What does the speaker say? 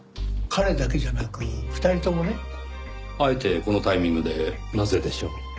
彼だけじゃなく２人ともね。あえてこのタイミングでなぜでしょう？